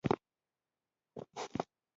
فلیریک وویل چې نن شپه خطرناکه ده.